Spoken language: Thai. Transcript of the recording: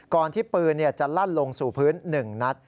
ก่อนที่ปืนจะลั่นลงสู่พื้น๑นัด